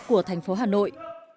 của thành phố hà nội